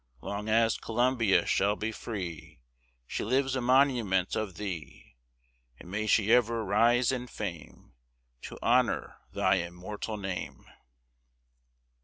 Long as Columbia shall be free, She lives a monument of thee; And may she ever rise in fame, To honor thy immortal name!